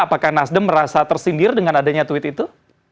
apakah nasdem merasa tersindir dengan adanya tweet itu